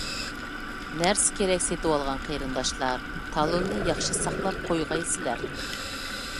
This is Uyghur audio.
نەرسە-كېرەك سېتىۋالغان قېرىنداشلار، تالوننى ياخشى ساقلاپ قويغايسىلەر.